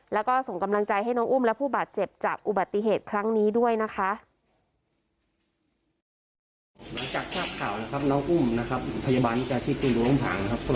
แล้วก็ส่งกำลังใจให้น้องอุ้มและผู้บาดเจ็บจากอุบัติเหตุครั้งนี้ด้วยนะคะ